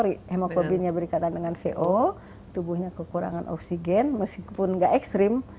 tapi kalau hemoglobinnya lebih diikat sama co tubuhnya kekurangan oksigen meskipun enggak ekstrim